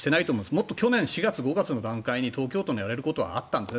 もっと去年４月、５月の段階に東京都がやれることはあったんですね。